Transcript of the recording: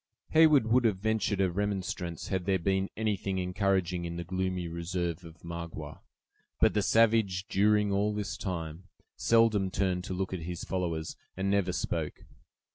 Heyward would have ventured a remonstrance had there been anything encouraging in the gloomy reserve of Magua. But the savage, during all this time, seldom turned to look at his followers, and never spoke.